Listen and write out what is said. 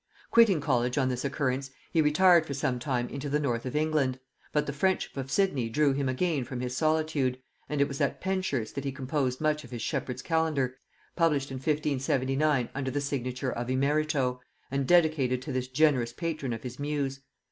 Quitting college on this occurrence, he retired for some time into the north of England; but the friendship of Sidney drew him again from his solitude, and it was at Penshurst that he composed much of his Shepherd's Calendar, published in 1579 under the signature of Immerito, and dedicated to this generous patron of his muse.